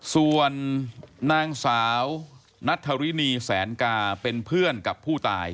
ส่วนนางสาวนัทธรินีแสนกาเป็นเพื่อนกับผู้ตาย